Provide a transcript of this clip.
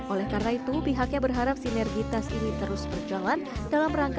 oleh karena itu pihaknya berharap sinergitas ini terus berjalan